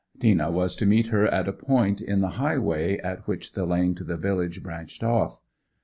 Tina was to meet her at a point in the highway at which the lane to the village branched off.